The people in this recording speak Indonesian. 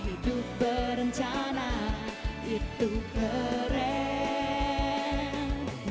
hidup berencana itu keren